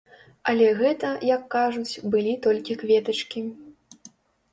Але гэта, як кажуць, былі толькі кветачкі.